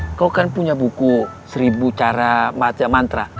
eh kau kan punya buku seribu cara baca mantra